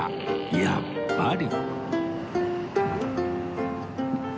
やっぱり